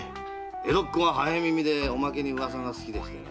江戸っ子は早耳でおまけに噂が好きでしてね。